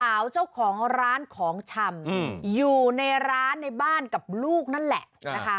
สาวเจ้าของร้านของชำอยู่ในร้านในบ้านกับลูกนั่นแหละนะคะ